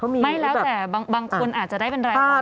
ไม่แล้วแหละบางคนอาจจะได้เป็นรายวัน